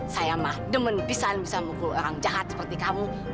saya mah demen bisa mukul orang jahat seperti kamu